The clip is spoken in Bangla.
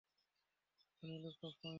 ধনী লোক সবসময় মহান!